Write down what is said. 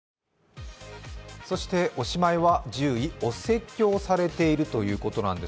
そしておしまいは１０位、お説教されているということです。